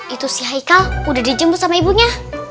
itu si haikal udah dijemput sama ibunya